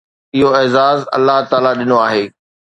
اهو اعزاز الله تعاليٰ ڏنو آهي.